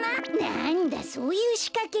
なんだそういうしかけか。